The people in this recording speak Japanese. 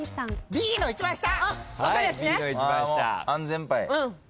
Ｂの一番下。